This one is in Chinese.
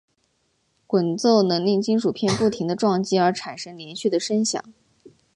滚奏能令金属片不停地撞击而产生连续的声响。